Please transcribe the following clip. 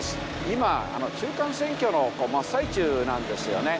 今中間選挙の真っ最中なんですよね。